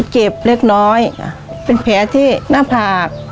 เจ็บเล็กน้อยเป็นแผลที่หน้าผาก